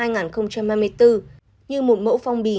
như một mẫu phong bì